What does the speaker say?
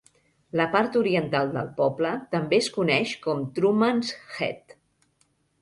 La part oriental del poble també es coneix com Trueman's Heath.